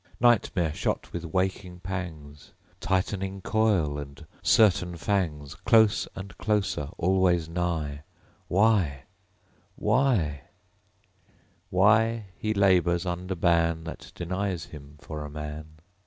Nightmare shot with waking pangs; Tightening coil, and certain fangs, Close and closer, always nigh ...... Why?... Why? Why he labors under ban That denies him for a man.